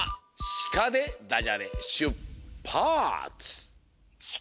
「しか」でダジャレしゅっぱつ！